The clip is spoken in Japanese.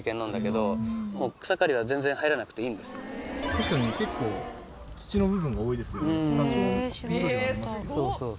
確かに結構土の部分が多いですよね。